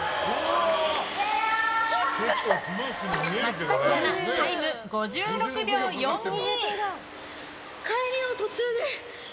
松崎アナ、タイム５６秒４２。